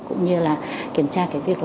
cũng như kiểm tra việc